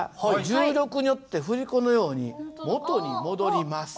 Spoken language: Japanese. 重力によって振り子のように元に戻ります。